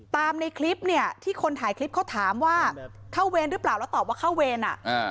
ในคลิปเนี่ยที่คนถ่ายคลิปเขาถามว่าเข้าเวรหรือเปล่าแล้วตอบว่าเข้าเวร